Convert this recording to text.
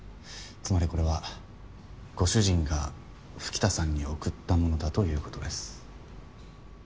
つまりこれはご主人が吹田さんに贈ったものだということです。